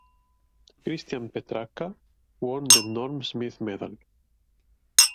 Christian Petracca won the Norm Smith Medal.